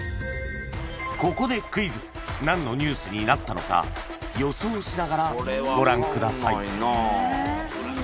ここでクイズ何のニュースになったのか予想しながらご覧ください